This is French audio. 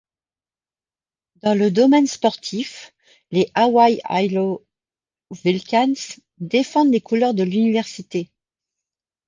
Dans le domaine sportif, les Hawaii-Hilo Vulcans défendent les couleurs de l'Université.